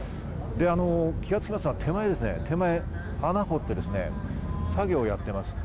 気が付きますか、手前、穴を掘ってですね、作業をやっています。